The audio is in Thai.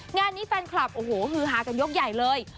งานนี้แฟนคลับโอ้โหฮือฮากันยกใหญ่เลย